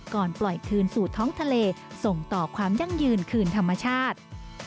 ก่อนปล่อยคืนสู่ท้องทะเลส่งต่อความยั่งยืนคืนธรรมชาติ